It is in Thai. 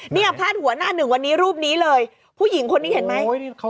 เนี่ยพาดหัวหน้าหนึ่งวันนี้รูปนี้เลยผู้หญิงคนนี้เห็นไหมโอ้โหนี่เข้าหน้า